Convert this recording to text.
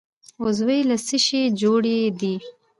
عضوې له څه شي جوړې دي؟